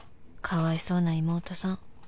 かわいそうな妹さん